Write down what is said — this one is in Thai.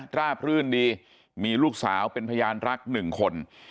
ราบรื่นดีมีลูกสาวเป็นพยานรักหนึ่งคน